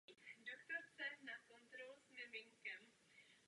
Kromě smrti a daní je narození jedinou jistotou v životě.